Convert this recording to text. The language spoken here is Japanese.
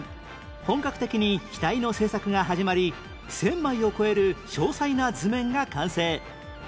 本格的に機体の製作が始まり１０００枚を超える詳細な図面が完成